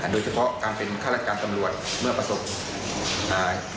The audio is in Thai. โดยเฉพาะการเป็นฆาตการตำรวจเมื่อประสบอ่า